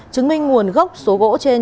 chứng minh nguồn gốc số gỗ trên